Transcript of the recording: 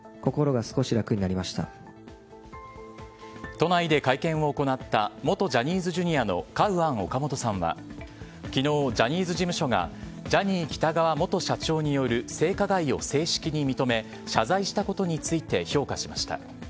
都内で会見を行った元ジャニーズＪｒ．のカウアン・オカモトさんは昨日、ジャニーズ事務所がジャニー喜多川元社長による性加害を正式に認め謝罪したことについて評価しました。